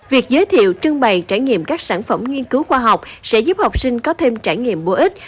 việc giới thiệu trưng bày trải nghiệm các sản phẩm nghiên cứu khoa học sẽ giúp học sinh có thêm trải nghiệm bổ ích